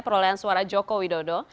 perolehan suara joko widodo